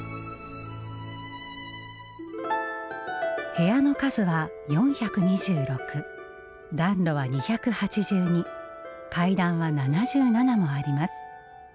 部屋の数は４２６暖炉は２８２階段は７７もあります。